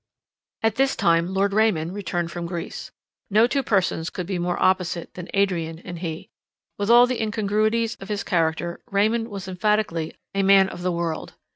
At this time Lord Raymond returned from Greece. No two persons could be more opposite than Adrian and he. With all the incongruities of his character, Raymond was emphatically a man of the world.